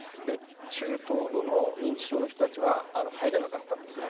中等度の認知症の人たちは入れなかったんですね。